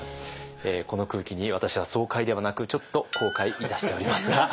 この空気に私は爽快ではなくちょっと後悔いたしておりますが。